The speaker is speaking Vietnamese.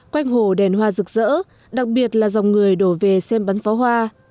quanh hồ đèn hoa rực rỡ đặc biệt là dòng người đổ về xem bắn pháo hoa